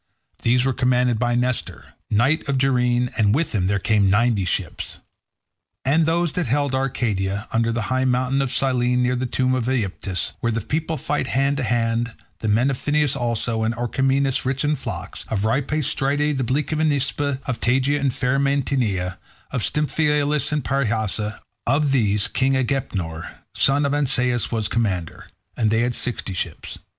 These were commanded by Nestor, knight of Gerene, and with him there came ninety ships. And those that held Arcadia, under the high mountain of Cyllene, near the tomb of Aepytus, where the people fight hand to hand; the men of Pheneus also, and Orchomenus rich in flocks; of Rhipae, Stratie, and bleak Enispe; of Tegea and fair Mantinea; of Stymphelus and Parrhasia; of these King Agapenor son of Ancaeus was commander, and they had sixty ships.